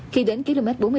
khi đến km bốn mươi tám